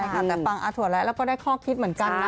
ใช่ค่ะแต่ฟังอาถวันแล้วก็ได้ข้อคิดเหมือนกันนะ